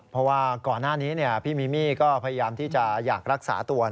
เพราะว่าก่อนหน้านี้พี่มิมี่ก็พยายามที่จะอยากรักษาตัว